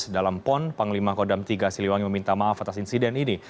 dalam pon panglima kodam tiga siliwangi meminta maaf atas insiden ini